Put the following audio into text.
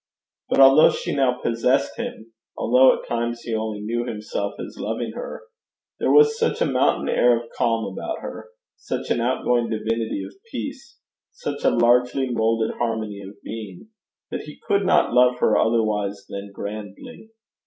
But although she now possessed him, although at times he only knew himself as loving her, there was such a mountain air of calm about her, such an outgoing divinity of peace, such a largely moulded harmony of being, that he could not love her otherwise than grandly.